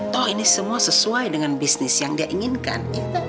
toh ini semua sesuai dengan bisnis yang dia inginkan